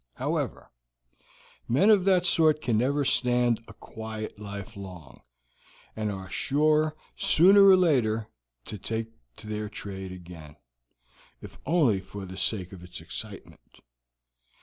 "However, men of that sort can never stand a quiet life long, and are sure sooner or later to take to their trade again, if only for the sake of its excitement.